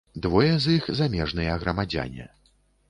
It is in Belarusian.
Двое з іх замежныя грамадзяне.